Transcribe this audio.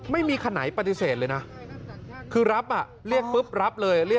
ไม่มีขนัยปฏิเสธเลยนะคือรับอ่ะเรียกปุ๊บรับเลย